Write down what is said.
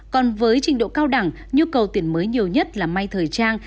còn với trình độ cao đẳng nhu cầu tuyển mới nhiều nhất là may thời trang